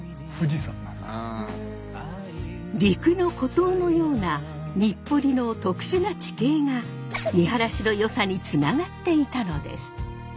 陸の孤島のような日暮里の特殊な地形が見晴らしのよさにつながっていたのです。